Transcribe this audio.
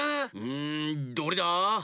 うんどれだ？